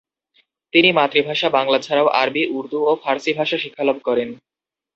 তিনি মাতৃভাষা বাংলা ছাড়াও আরবি, উর্দূ ও ফার্সি ভাষা শিক্ষালাভ করেন।